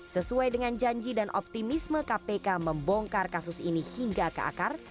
sesuai dengan janji dan optimisme kpk membongkar kasus ini hingga ke akar